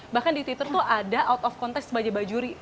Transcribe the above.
bahkan di twitter tuh ada out of context baja bajuri